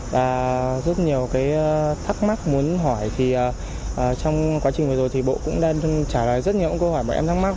và rất nhiều thắc mắc muốn hỏi thì trong quá trình vừa rồi thì bộ cũng đang trả lời rất nhiều câu hỏi bọn em thắc mắc